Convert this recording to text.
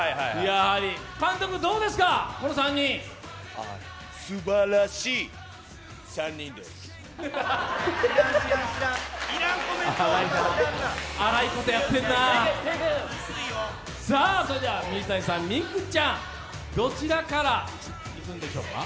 監督、どうですか、この３人は？粗いことやってんなあ、それでは水谷さん、美空ちゃん、どちらからいくんでしょうか。